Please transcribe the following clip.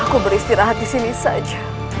aku beristirahat disini saja